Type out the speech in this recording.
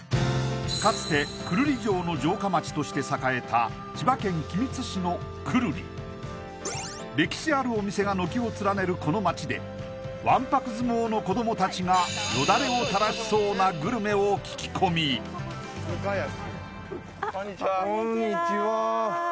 かつて久留里城の城下町として栄えた千葉県君津市の久留里歴史あるお店が軒を連ねるこの町でわんぱく相撲の子供達がよだれを垂らしそうなグルメを聞き込みこんにちはこんにちは